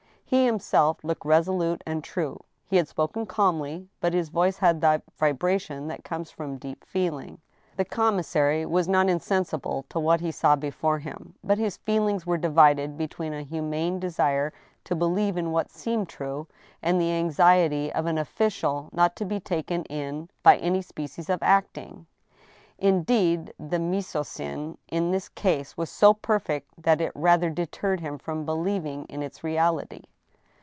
He himself looked reso lute and true. He had spoken calmly, but his voice had that vibra tion that comes from deep feeling. The commissary was not insensible to what he saw before him. But his feelings were divided between a humane desire to believe in what seemed true, and the anxiety of an official not to be taken in by any species of acting. Indeed, the mise en seine in this case was so perfect that it rather deterred him from believing in its reality.